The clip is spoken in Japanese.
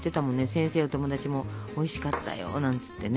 先生や友達も「おいしかったよ」なんつってね。